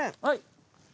はい。